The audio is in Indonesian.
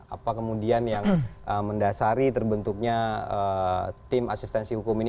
apa kemudian yang mendasari terbentuknya tim asistensi hukum ini